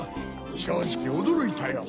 正直驚いたよ。